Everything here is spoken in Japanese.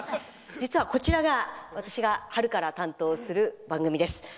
実は、こちらが私が春から担当する番組です。